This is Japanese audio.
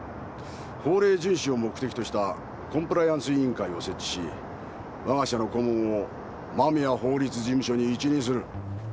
法令遵守を目的としたコンプライアンス委員会を設置し我が社の顧問を間宮法律事務所に一任する。